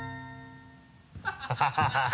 ハハハ